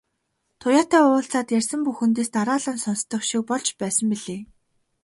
Туяатай уулзаад ярьсан бүхэн дэс дараалан сонстох шиг болж байсан билээ.